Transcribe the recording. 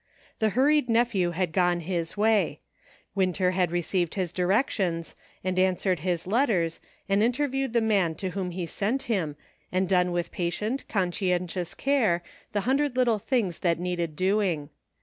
The hurried nephew had gone his way ; Winter had received his directions, and answered his letters, and interviewed the man to whom he sent him, and done with patient, consci entious care the hundred little things that needed doing.